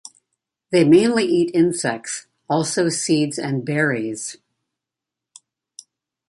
They mainly eat insects, also seeds and berries.